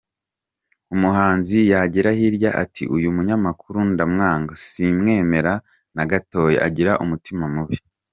Umuhanzi yagera hirya ati "Uyu munyamakuru ndamwanga, simwemera na gatoya agira umutima mubi".